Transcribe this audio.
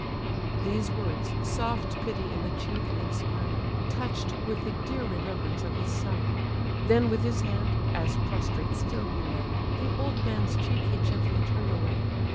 These words soft pity in the chief inspire, Touch'd with the dear remembrance of his sire. Then with his hand (as prostrate still he lay) The old man's cheek he gently turn'd away.